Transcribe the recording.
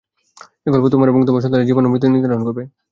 এই গল্প তোমার এবং তোমার সন্তানের জীবন ও মৃত্যু নির্ধারণ করবে।